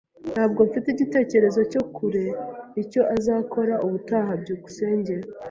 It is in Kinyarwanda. Ntabwo mfite igitekerezo cya kure icyo azakora ubutaha. byukusenge